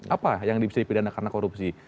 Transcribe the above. apa yang bisa dipidana karena korupsi